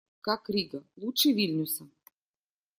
Как Рига? Лучше Вильнюса?